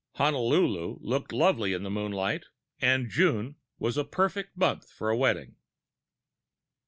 Honolulu looked lovely in the moonlight, and June was the perfect month for a wedding.